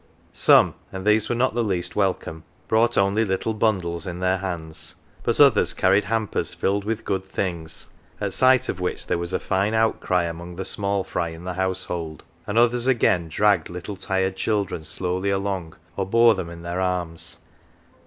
Some and these were not the least welcome brought only little bundles in their hands ; but others carried hampers filled with good things (at sight of which there was a fine outcry among the small fry in the household) ; and others, again, dragged little tired children slowly along, or bore them in their arms.